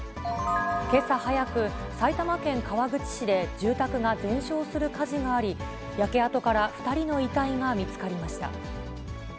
けさ早く、埼玉県川口市で住宅が全焼する火事があり、焼け跡から２人の遺体が見つかりました。